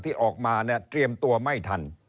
ที่ออกมาเนี่ยเตรียมตัวไม่ทัน